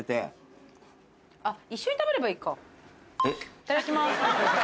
いただきます。